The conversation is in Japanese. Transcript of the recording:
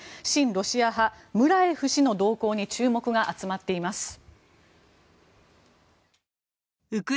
親ロシア派ムラエフ氏の動向に注目が集まっています。